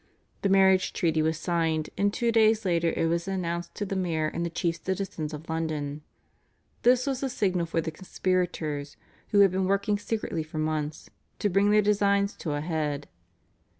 The marriage treaty was signed and two days later it was announced to the mayor and the chief citizens of London. This was the signal for the conspirators, who had been working secretly for months, to bring their designs to a head.